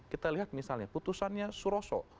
kita lihat misalnya putusannya suroso